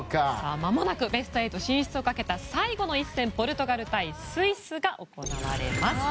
まもなくベスト８進出をかけた最後の一戦ポルトガル対スイスが行われます。